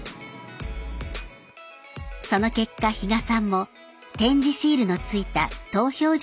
その結果比嘉さんも点字シールのついた投票所